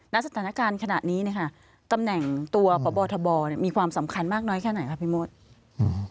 ณสถานการณ์ขนาดนี้ตำแหน่งตัวพบมีความสำคัญมากน้อยแค่ไหนครับพี่มฤทธิ์